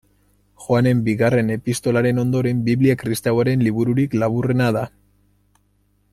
Joanen bigarren epistolaren ondoren, Biblia kristauaren libururik laburrena da.